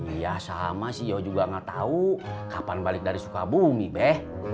iya sama sih yo juga nggak tahu kapan balik dari sukabumi beh